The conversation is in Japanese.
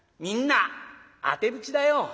みんなあてぶちだよ。